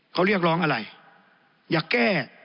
เขาเรียกร้องอะไรอย่าแก้